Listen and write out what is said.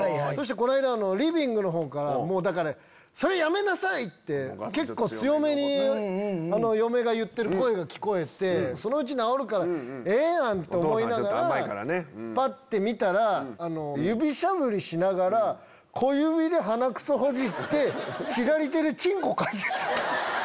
こないだリビングのほうから「それやめなさい！」って結構強めに嫁が言ってる声が聞こえてそのうち直るからええやんと思いながらぱって見たら指しゃぶりしながら小指で鼻くそほじって左手でちんこかいてて。